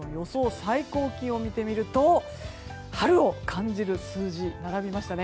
最高気温を見てみると春を感じる数字が並びましたね。